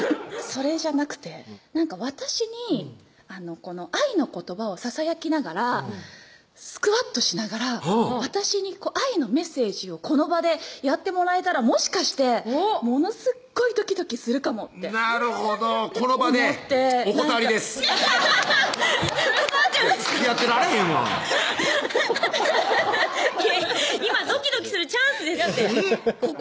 それじゃなくて私に愛の言葉をささやきながらスクワットしながら私に愛のメッセージをこの場でやってもらえたらもしかしてものすごいドキドキするかもってなるほどこの場でお断りです断っちゃうんですかつきあってられへんわ今ドキドキするチャンスですってえぇ？